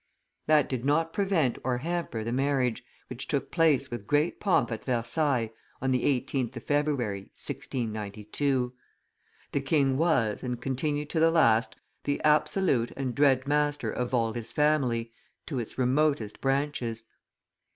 That did not prevent or hamper the marriage, which took place with great pomp at Versailles on the 18th of February, 1692. The king was, and continued to the last, the absolute and dread master of all his family, to its remotest branches.